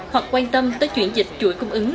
hoặc quan tâm tới chuyển dịch chuỗi cung ứng